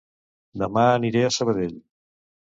Dema aniré a Sabadell